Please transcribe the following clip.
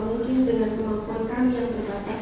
mungkin dengan kemampuan kami yang terbatas